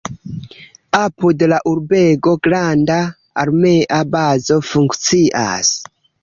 Apud la urbego granda armea bazo funkcias.